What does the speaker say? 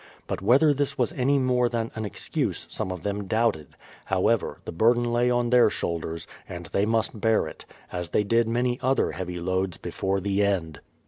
But whether THE PLYMOUTH SETTLEIVIENT 211 this was any more than an excuse, some of them doubted; however, the burden lay on their shoulders, and they must bear it, — as they did many other heavy loads before the end.